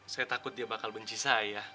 saya takut dia bakal benci saya